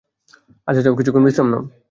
আচ্ছা যাও, কিছুক্ষণ বিশ্রাম নাও।